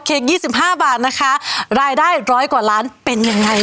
๒๕บาทนะคะรายได้ร้อยกว่าล้านเป็นยังไง